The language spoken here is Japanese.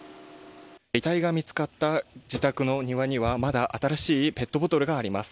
遺体が見つかった自宅の庭にはまだ新しいペットボトルがあります。